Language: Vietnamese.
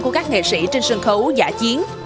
của các nghệ sĩ trên sân khấu giả chiến